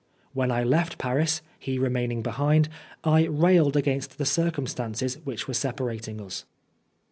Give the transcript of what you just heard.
When I left Paris, he remaining behind, I railed against the circumstances which were separating us.